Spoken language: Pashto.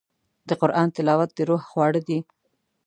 د قرآن تلاوت د روح خواړه دي.